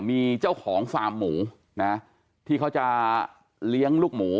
มีเจ้าของฟาร์มหมูนะที่เขาจะเลี้ยงลูกหมู